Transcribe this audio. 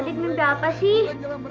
adik mimpi apa sih